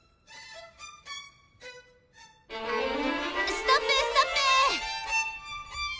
ストップストップ！